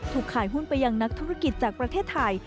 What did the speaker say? ขายหุ้นไปยังนักธุรกิจจากประเทศไทย